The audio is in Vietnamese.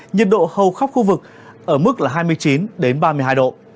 nhiệt độ hầu khắp khu vực ở mức là hai mươi chín ba mươi hai độ